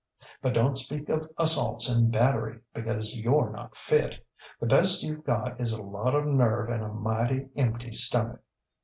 But donŌĆÖt speak of assaults and battery, because youŌĆÖre not fit. The best youŌĆÖve got is a lot of nerve and a mighty empty stomach.